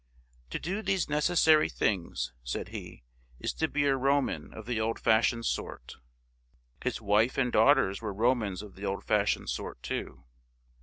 " To do these necessary things," said he, " is to be a Roman of the old fashioned sort." His wife and daughters were Romans of the old fashioned sort, too.